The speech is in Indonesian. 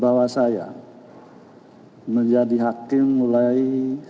bahwa saya menjadi hakim mulai seribu sembilan ratus delapan puluh lima